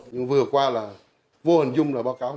nhưng vừa qua là vô hình dung là báo cáo